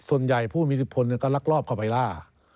ส่วนใหญ่ผู้มีอิทธิพลก็ลักลอบเข้าไปล่า